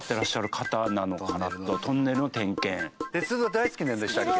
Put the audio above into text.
鉄道大好きなんでしたっけ？